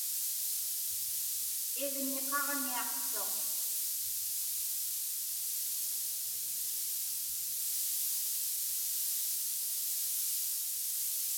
Iġñiqaġniaqtuq.